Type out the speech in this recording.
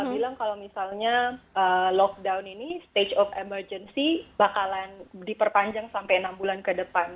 saya bilang kalau misalnya lockdown ini stage of emergency bakalan diperpanjang sampai enam bulan ke depan